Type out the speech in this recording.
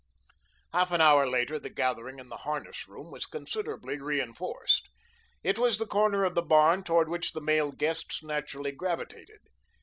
Half an hour later the gathering in the harness room was considerably reinforced. It was the corner of the barn toward which the male guests naturally gravitated.